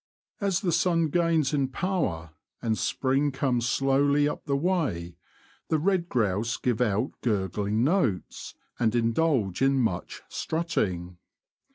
As the sun gains in power, and spring comes slowly up the way, the red grouse give out gurgling notes, and indulge in much strutting.